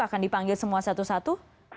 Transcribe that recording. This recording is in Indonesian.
akan dipanggil semua satu satu